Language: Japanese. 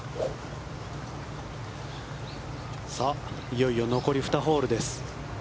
いよいよ残り２ホールです。